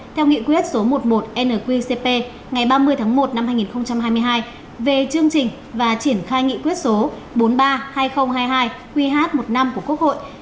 theo nghị quyết số một mươi một nqcp ngày ba mươi tháng một năm hai nghìn hai mươi hai về chương trình và triển khai nghị quyết số bốn mươi ba hai nghìn hai mươi hai qh một mươi năm của quốc hội